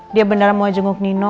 dia beneran mau jonggok nino